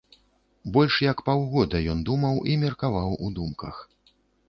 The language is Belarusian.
Больш як паўгода ён думаў, і меркаваў у думках.